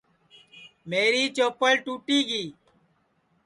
میری چوپل ٹوٹی گی